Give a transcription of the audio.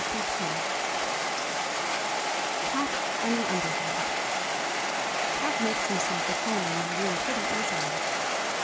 ] CAT AND THE UNDERWORLD Cat makes himself at home in my room pretty easily.